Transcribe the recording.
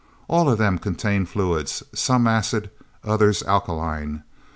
All of them contained fluids some acid, others alkaline.